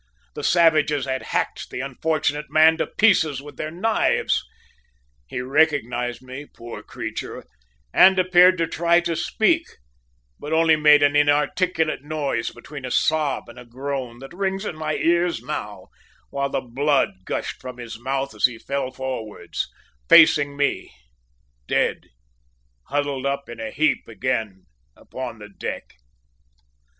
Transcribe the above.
The savages had hacked the unfortunate man to pieces with their knives! "He recognised me, poor creature, and appeared to try to speak, but only made an inarticulate noise between a sob and a groan that rings in my ears now, while the blood gushed from his mouth as he fell forwards, facing me, dead, huddled up in a heap again upon the deck!